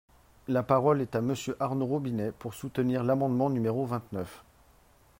La parole est à Monsieur Arnaud Robinet, pour soutenir l’amendement numéro vingt-neuf.